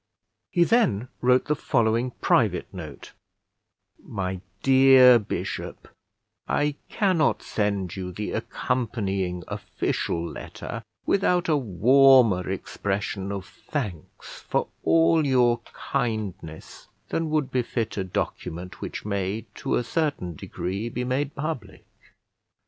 He then wrote the following private note: My DEAR BISHOP, I cannot send you the accompanying official letter without a warmer expression of thanks for all your kindness than would befit a document which may to a certain degree be made public.